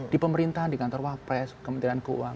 di pemerintahan di kantor wapres kementerian keuangan